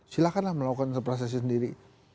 silakanlah melakukan proses sendiri